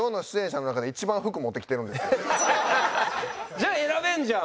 じゃあ選べるじゃん！